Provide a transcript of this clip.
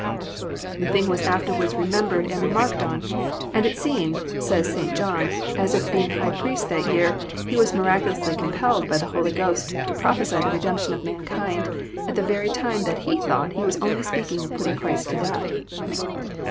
The thing was afterwards remembered and remarked on; and it seemed, says St. John, as if being high priest that year, he was miraculously compelled by the Holy Ghost to prophesy the redemption of mankind, at the very time that he thought he was only speaking of putting Christ to death.